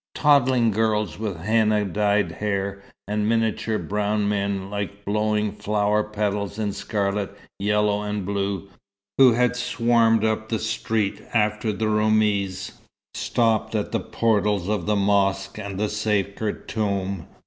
Toddling girls with henna dyed hair, and miniature brown men, like blowing flower petals in scarlet, yellow, and blue, who had swarmed up the street after the Roumis, stopped at the portals of the mosque and the sacred tomb.